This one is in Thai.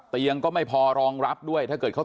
เตียงก็ไม่พอรองรับด้วยถ้าเกิดเขา